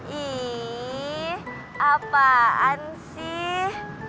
ih apaan sih